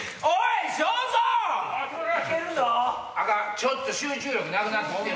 ちょっと集中力なくなってる。